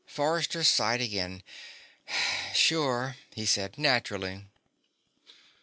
Forrester sighed again. "Sure," he said. "Naturally."